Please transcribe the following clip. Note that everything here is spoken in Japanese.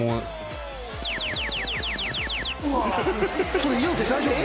それ言うて大丈夫！？